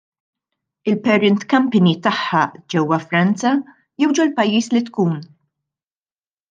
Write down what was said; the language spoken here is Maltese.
Il-parent company tagħha ġewwa Franza, jew ġol-pajjiż li tkun!